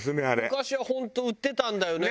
昔は本当売ってたんだよね